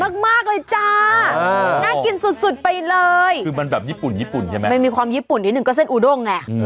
มากเลยจ้าน่ากินสุดไปเลยคือมันแบบญี่ปุ่นญี่ปุ่นใช่ไหมมันมีความญี่ปุ่นนิดนึงก็เส้นอูด้งไง